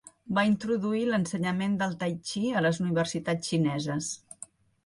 Va introduir l'ensenyament del tai-txi a les universitats xineses.